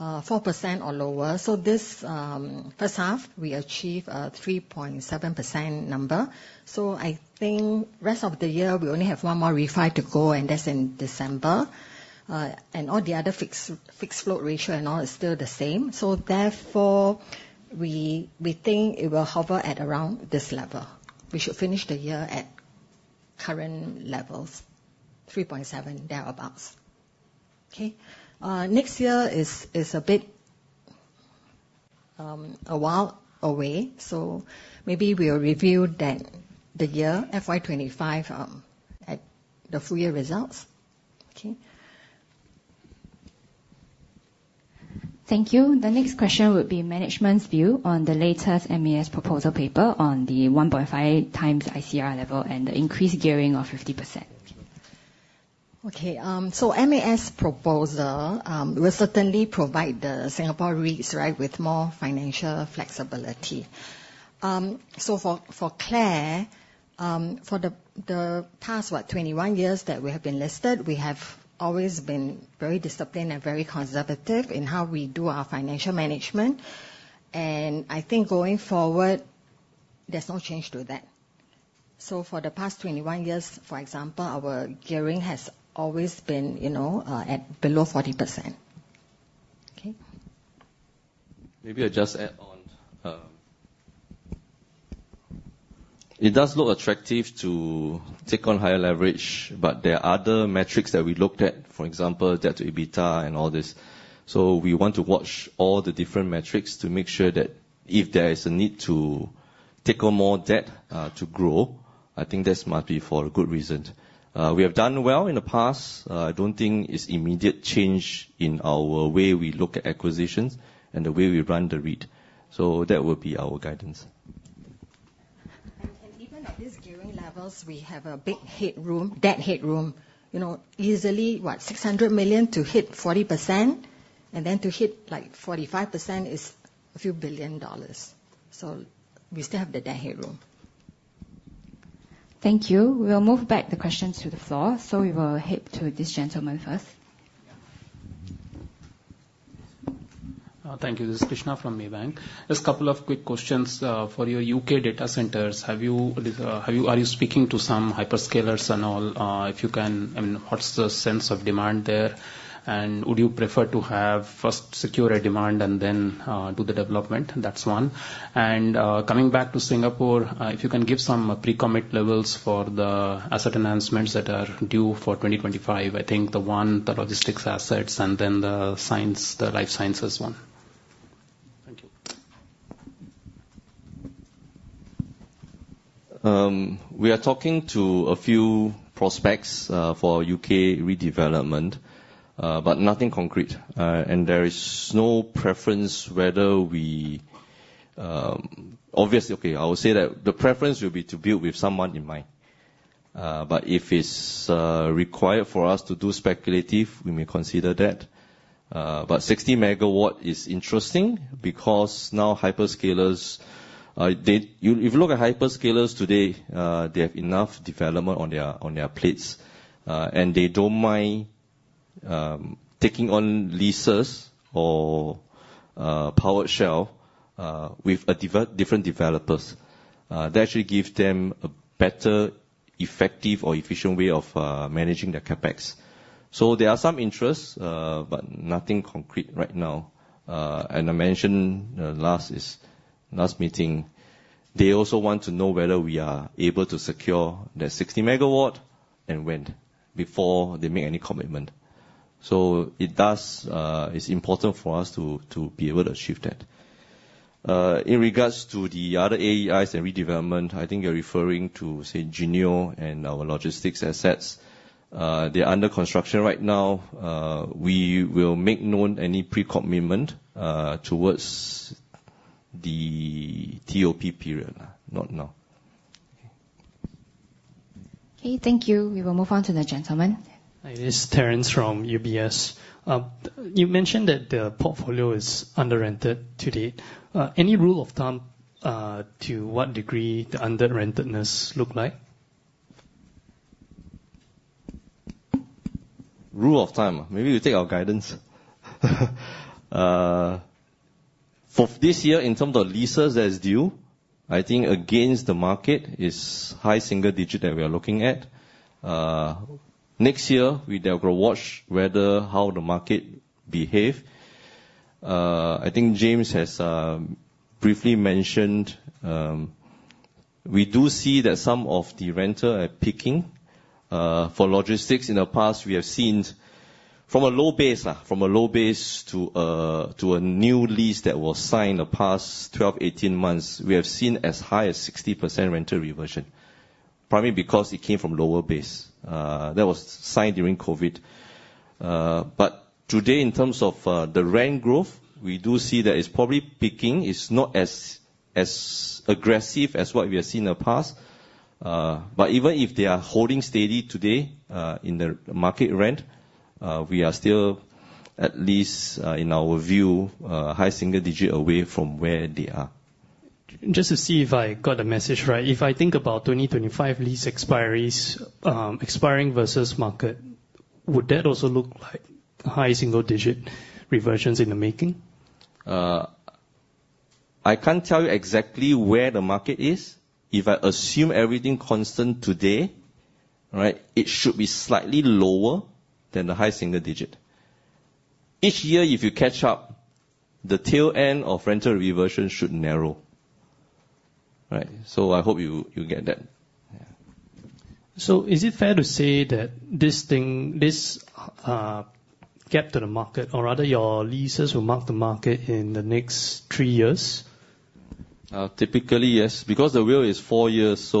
4% or lower. This first half, we achieved a 3.7% number. I think rest of the year, we only have one more refi to go, and that's in December. All the other fixed float ratio and all is still the same. Therefore, we think it will hover at around this level. We should finish the year at current levels, 3.7%, thereabouts. Next year is a bit a while away, so maybe we'll review then the year FY 2025 at the full year results. Thank you. The next question would be management's view on the latest MAS proposal paper on the 1.5 times ICR level and the increased gearing of 50%. Okay. MAS proposal will certainly provide the Singapore REITs, right, with more financial flexibility. For CLAR, for the past, what, 21 years that we have been listed, we have always been very disciplined and very conservative in how we do our financial management. I think going forward, there's no change to that. For the past 21 years, for example, our gearing has always been at below 40%. Okay? Maybe I just add on. It does look attractive to take on higher leverage, but there are other metrics that we looked at, for example, debt to EBITDA and all this. We want to watch all the different metrics to make sure that if there is a need to take on more debt to grow, I think this must be for a good reason. We have done well in the past. I don't think it's immediate change in our way we look at acquisitions and the way we run the REIT. That will be our guidance. Even at this gearing levels, we have a big headroom, debt headroom. Easily what? 600 million to hit 40%. Then to hit 45% is a few billion SGD. We still have the debt headroom. Thank you. We'll move back the questions to the floor. We will head to this gentleman first. Yeah. Thank you. This is Krishna from Maybank. Just a couple of quick questions. For your U.K. data centers, are you speaking to some hyperscalers and all? If you can, what's the sense of demand there? Would you prefer to have first secure a demand and then do the development? That's one. Coming back to Singapore, if you can give some pre-commit levels for the asset enhancements that are due for 2025, I think the one, the logistics assets, and then the life sciences one. Thank you. We are talking to a few prospects for U.K. redevelopment, but nothing concrete. There is no preference whether obviously, okay, I would say that the preference will be to build with someone in mind. If it's required for us to do speculative, we may consider that. 60 megawatt is interesting because now hyperscalers, if you look at hyperscalers today, they have enough development on their plates, and they don't mind taking on leases or powered shell with different developers. That should give them a better effective or efficient way of managing their CapEx. There are some interests, but nothing concrete right now. I mentioned last meeting, they also want to know whether we are able to secure the 60 megawatt and when, before they make any commitment. It's important for us to be able to achieve that. In regards to the other AEIs and redevelopment, I think you're referring to, say, Geneo and our logistics assets. They're under construction right now. We will make known any pre-commitment towards the TOP period. Not now. Okay. Thank you. We will move on to the gentleman. It is Terence from UBS. You mentioned that the portfolio is under-rented to date. Any rule of thumb to what degree the under-rentedness look like? Rule of thumb. Maybe you take our guidance. For this year, in terms of leases that is due, I think against the market is high single digit that we are looking at. Next year, we go watch whether how the market behaves. I think James has briefly mentioned, we do see that some of the renters are picking. For logistics in the past, we have seen from a low base to a new lease that was signed the past 12, 18 months, we have seen as high as 60% rental reversion, primarily because it came from lower base. That was signed during COVID. Today, in terms of the rent growth, we do see that it's probably picking. It's not as aggressive as what we have seen in the past. Even if they are holding steady today in the market rent, we are still at least, in our view, high single digit away from where they are. Just to see if I got the message right. If I think about 2025 lease expiries expiring versus market, would that also look like high single digit reversions in the making? I can't tell you exactly where the market is. If I assume everything constant today, right, it should be slightly lower than the high single digit. Each year, if you catch up, the tail end of rental reversion should narrow. Right? I hope you get that. Yeah. Is it fair to say that this thing, this gap to the market, or rather your leases will mark to market in the next three years? Typically, yes, because the WALE is four years,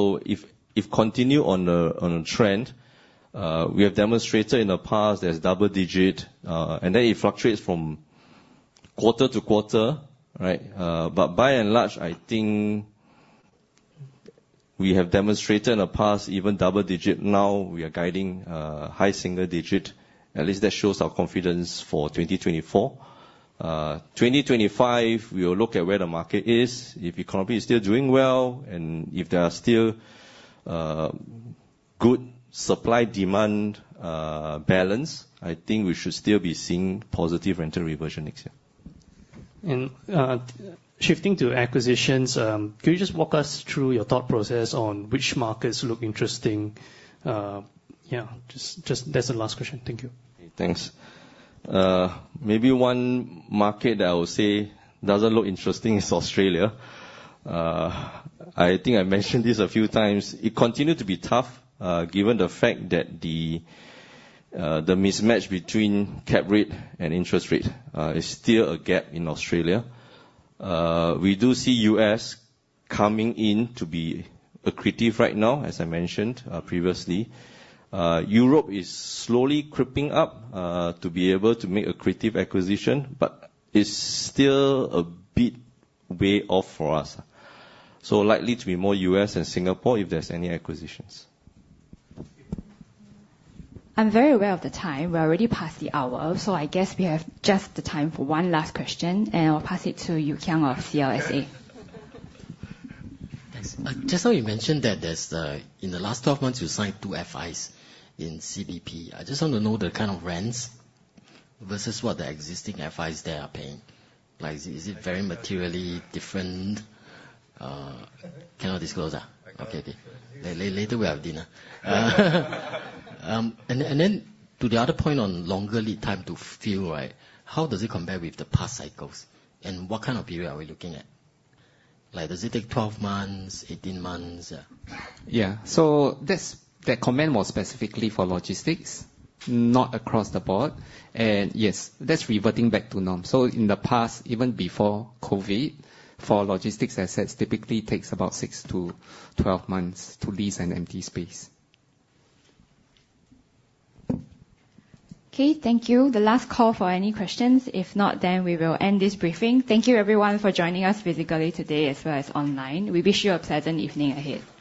if continue on a trend, we have demonstrated in the past there's double digit, and then it fluctuates from quarter to quarter, right? By and large, I think we have demonstrated in the past even double digit. Now we are guiding high single digit. At least that shows our confidence for 2024. 2025, we will look at where the market is. If economy is still doing well, and if there are still good supply-demand balance, I think we should still be seeing positive rental reversion next year. Shifting to acquisitions, can you just walk us through your thought process on which markets look interesting? That's the last question. Thank you. Thanks. Maybe one market that I would say doesn't look interesting is Australia. I think I mentioned this a few times. It continue to be tough, given the fact that the mismatch between cap rate and interest rate is still a gap in Australia. We do see U.S. coming in to be accretive right now, as I mentioned previously. Europe is slowly creeping up to be able to make accretive acquisition, but is still a bit way off for us. Likely to be more U.S. and Singapore if there's any acquisitions. I'm very aware of the time. We're already past the hour, I guess we have just the time for one last question, and I'll pass it to Yu Kiang of CLSA. Thanks. Just now you mentioned that in the last 12 months, you signed two FIs in CBP. I just want to know the kind of rents versus what the existing FIs they are paying. Is it very materially different? Cannot disclose? I cannot disclose. Okay. Later we have dinner. To the other point on longer lead time to fill, how does it compare with the past cycles? What kind of period are we looking at? Does it take 12 months, 18 months? Yeah. That comment was specifically for logistics, not across the board. Yes, that's reverting back to norm. In the past, even before COVID, for logistics assets, typically takes about 6 to 12 months to lease an empty space. Okay. Thank you. The last call for any questions. If not, we will end this briefing. Thank you everyone for joining us physically today, as well as online. We wish you a pleasant evening ahead. Thank you.